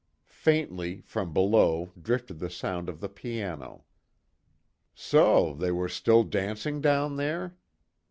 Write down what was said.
Faintly, from below drifted the sound of the piano. So, they were still dancing, down there?